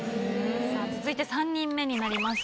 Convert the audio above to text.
さあ続いて３人目になります。